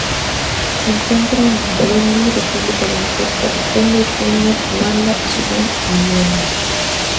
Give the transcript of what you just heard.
Se encuentra en Burundi, República Democrática del Congo, Kenia, Ruanda, Sudán y Uganda.